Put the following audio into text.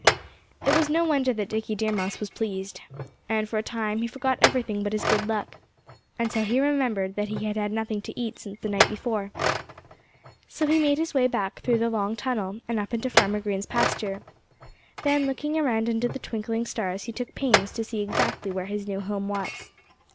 It was no wonder that Dickie Deer Mouse was pleased. And for a time he forgot everything but his good luck until he remembered that he had had nothing to eat since the night before. So he made his way back through the long tunnel, and up into Farmer Green's pasture. Then, looking around under the twinkling stars, he took pains to see exactly where his new home was.